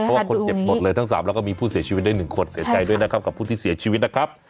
เพราะว่าคนเจ็บหมดเลยทั้ง๓แล้วก็มีผู้เสียชีวิตได้๑คนเสียใจด้วยนะครับกับผู้ที่เสียชีวิตนะครับ